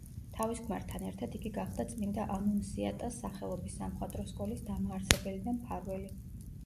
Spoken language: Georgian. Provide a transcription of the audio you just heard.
თავის ქმართან ერთად იგი გახდა წმინდა ანუნსიატას სახელობის სამხატვრო სკოლის დამაარსებელი და მფარველი.